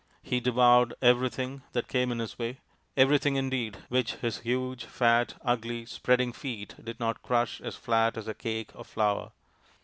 He devoured everything that came in his way, everything indeed which his huge, fat, ugly, spreading feet did not crush as flat as a cake of flour.